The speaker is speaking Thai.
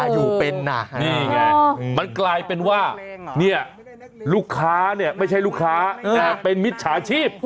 นี่ไงมันกลายเป็นว่าลูกค้าไม่ใช่ลูกค้าแต่เป็นมิดฉาชีพ